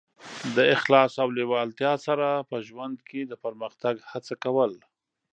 د اخلاص او لېوالتیا سره په ژوند کې د پرمختګ هڅه کول.